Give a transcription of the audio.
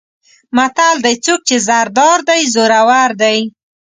متل دی: څوک چې زر دار دی زورور دی.